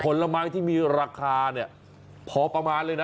ผลไม้ที่มีราคาเนี่ยพอประมาณเลยนะ